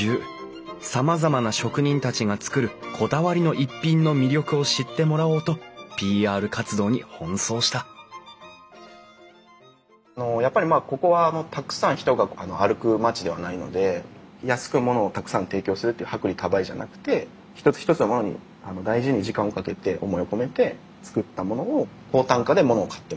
さまざまな職人たちが作るこだわりの逸品の魅力を知ってもらおうとＰＲ活動に奔走した安くものをたくさん提供するという薄利多売じゃなくてひとつひとつのものに大事に時間をかけて思いを込めて作ったものを高単価でものを買ってもらう。